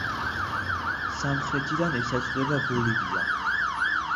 სამხრეთიდან ესაზღვრება ბოლივია.